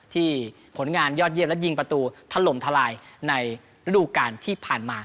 ผลงานยอดเยี่ยมและยิงประตูถล่มทลายในฤดูการที่ผ่านมา